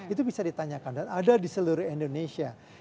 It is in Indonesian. itu bisa ditanyakan dan ada di seluruh indonesia